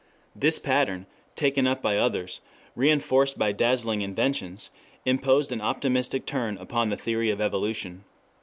This pattern, taken up by others, reinforced by dazzling inventions, imposed an optimistic turn upon the theory of evolution.